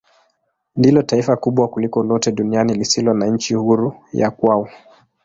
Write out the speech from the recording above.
Ndilo taifa kubwa kuliko lote duniani lisilo na nchi huru ya kwao.